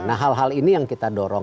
nah hal hal ini yang kita dorong